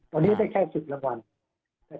วันนี้ได้แค่๑๐รางวัล